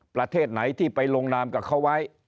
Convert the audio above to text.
ประเทศไหนที่ไปลงนามกับเขาไว้